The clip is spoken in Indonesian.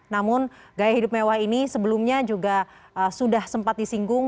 namun gaya hidup mewah ini sebelumnya juga sudah sempat disinggung